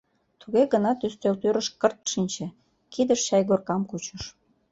Туге гынат ӱстел тӱрыш кырт шинче, кидыш чайгоркам кучыш.